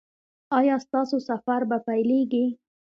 ایا ستاسو سفر به پیلیږي؟